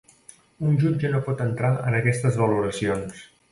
Un jutge no pot entrar en aquestes valoracions.